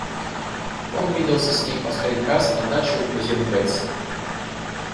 Он виделся с ней в последний раз на даче у кузины Бетси.